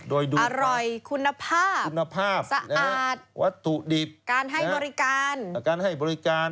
อร่อยคุณภาพสะอาดวัตถุดิบการให้บริการ